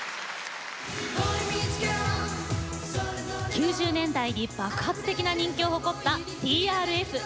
９０年代に爆発的な人気を誇ったＴＲＦ。